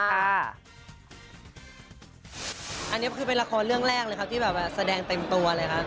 อันนี้คือเป็นละครเรื่องแรกเลยครับที่แบบแสดงเต็มตัวเลยครับ